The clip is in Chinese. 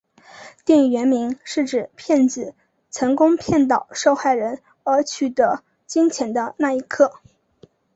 电影原名是指骗子成功骗倒受害人而取得金钱的那一刻。